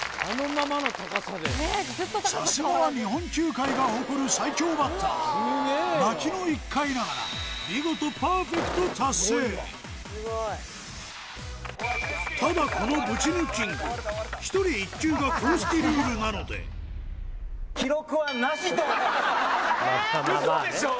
さすがは日本球界が誇る最強バッター泣きの１回ながらただこのぶち抜ＫＩＮＧ１人１球が公式ルールなので・ええ・ウソでしょ？